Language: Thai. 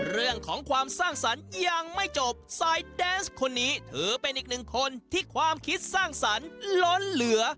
เรื่องของความสร้างสรรค์ยังไม่จบสายแดนส์คนนี้ถือเป็นอีกหนึ่งคนที่ความคิดสร้างสรรค์ล้นเหลือ